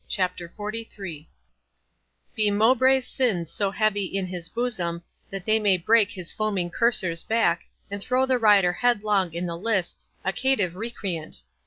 CHAPTER XLIII Be Mowbray's sins so heavy in his bosom, That they may break his foaming courser's back, And throw the rider headlong in the lists, A caitiff recreant!